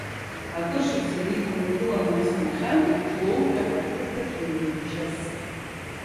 Акыр шықәса инеиԥынкылан аус лухьан Ҷлоутәи ахәшәтәырҭаҿ медеҳәшьас.